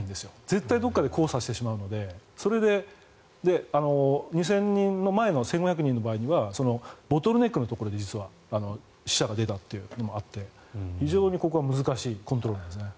絶対どこかで交差してしまうのでそれで２０００人の前の１５００人の場合にはボトルネックのところで死者が出たということもあって非常にここは難しいコントロールなんですね。